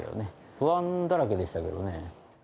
不安だらけでしたけどね。